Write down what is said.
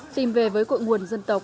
tìm về với cội nguồn dân tộc